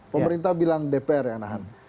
pemerintah bilang dpr yang menahan